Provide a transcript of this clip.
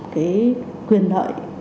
cái quyền lợi